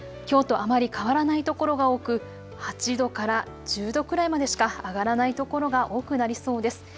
きょうとあまり変わらないところが多く、８度から１０度くらいまでしか上がらないところが多くなりそうです。